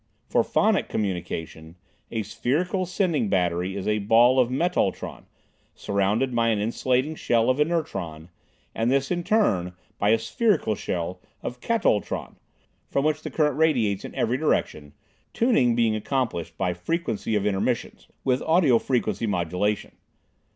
For phonic communication a spherical sending battery is a ball of metultron, surrounded by an insulating shell of inertron, and this in turn by a spherical shell of katultron, from which the current radiates in every direction, tuning being accomplished by frequency of intermissions, with audio frequency modulation.